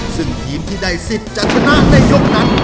ซึ่งทีมที่ได้สิทธิ์จะชนะในยกนั้น